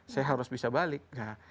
saya harus bisa balik